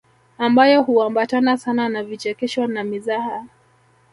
Ambayo huambatana sana na vichekesho na mizaha